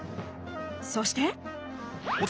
そして。